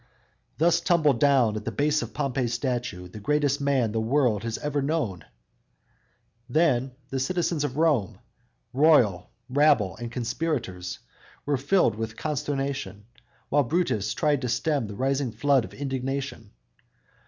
Thus tumbled down at the base of Pompey's statue the greatest man the world has ever known! Then the citizens of Rome royal, rabble and conspirators, were filled with consternation, while Brutus tried to stem the rising flood of indignation.